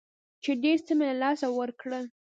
چې ډېر څه مې له لاسه ورکړل.